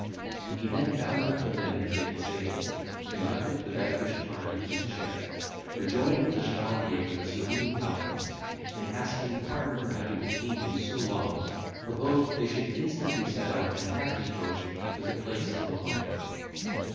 He then bound up the limb he had disabled, conducted the vanquished party to his chair, rejoined the chevalier with a serene countenance, and, asking pardon for having detained him so long, proposed they should instantly set out in a hackney coach for the place of appointment.